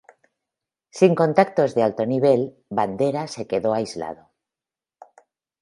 Sin contactos de alto nivel, Bandera se quedó aislado.